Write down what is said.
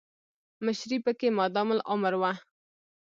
مشري پکې مادام العمر وه.